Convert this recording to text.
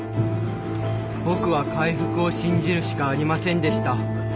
僕は回復を信じるしかありませんでした。